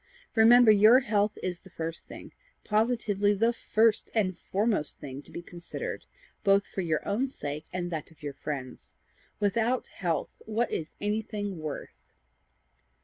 Remember your health is the first thing positively the FIRST and foremost thing to be considered, both for your own sake and that of your friends. Without health, what is anything worth?"